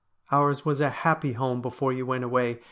Ours was a happy home before you went away.